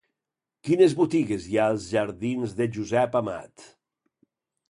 Quines botigues hi ha als jardins de Josep Amat?